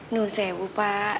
ndung sewu pak